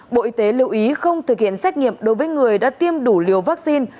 bộ y tế lưu ý không thực hiện xét nghiệm đối với người đã tiêm đủ liều vaccine